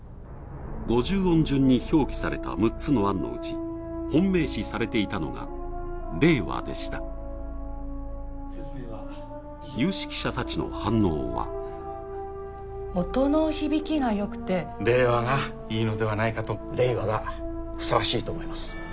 五十音順に表記された６つの案のうち本命視されていたのが「令和」でした有識者達の反応は音の響きがよくて「令和」がいいのではないかと「令和」がふさわしいと思います